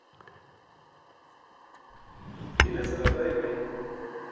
hilese ġatay bay